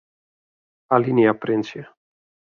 Alinea printsje.